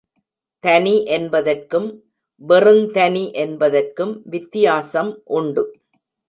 தனி என்பதற்கும், வெறுந் தனி என்பதற்கும் வித்தியாசம் உண்டு.